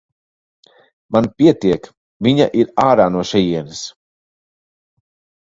Man pietiek, viņa ir ārā no šejienes.